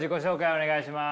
お願いします。